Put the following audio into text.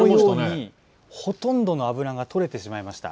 ほとんどの油が取れてしまいました。